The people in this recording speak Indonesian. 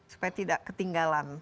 supaya tidak ketinggalan